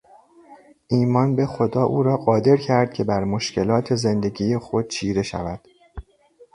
ایمان به خدا او را قادر کرد که بر مشکلات زندگی خود چیره شود.